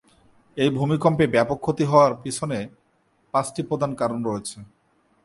এই ভূমিকম্পে ব্যাপক ক্ষতি হওয়ার পেছনে পাঁচটি প্রধান কারণ জড়িত।